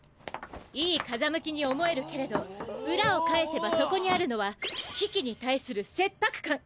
良い風向きに思えるけれど裏を返せばそこにあるのは「危機」に対する切迫感！